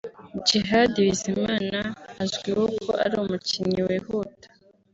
Djihad Bizimana azwiho ko ari umukinnyi wihuta